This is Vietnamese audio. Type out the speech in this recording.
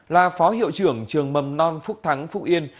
là phó hiệu trưởng trường mầm non phúc thắng phúc yên